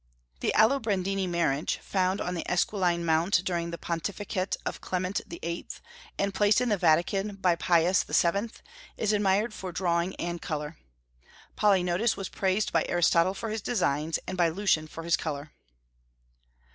The Aldobrandini Marriage, found on the Esquiline Mount during the pontificate of Clement VIII., and placed in the Vatican by Pius VII., is admired both for drawing and color. Polygnotus was praised by Aristotle for his designs, and by Lucian for his color.